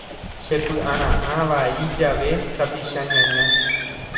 Chepy'ara'ã vai jave tapicha ñaña.